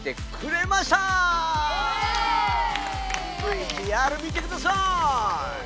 ＶＴＲ見てください！